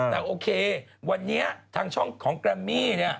แต่วันนี้ทำช่องของกรามมี่